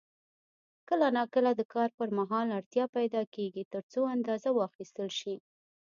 کله نا کله د کار پر مهال اړتیا پیدا کېږي ترڅو اندازه واخیستل شي.